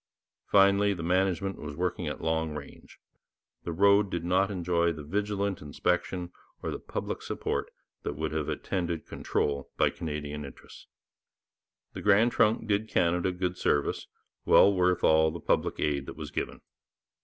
Finally, the management was working at long range: the road did not enjoy the vigilant inspection or the public support that would have attended control by Canadian interests. The Grand Trunk did Canada good service, well worth all the public aid that was given.